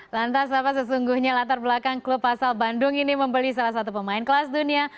lantas apa sesungguhnya latar belakang klub asal bandung ini membeli salah satu pemain kelas dunia